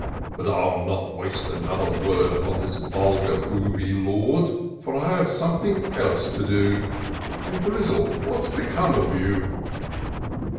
But I'll not waste another word Upon this vulgar, booby lord ; For I have sometliing else to do, And Grizzle, what's become of you